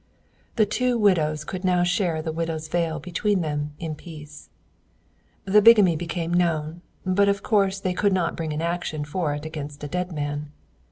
The two widows could now share the widow's veil between them in peace. The bigamy became known, but of course they could not bring an action for it against a dead man.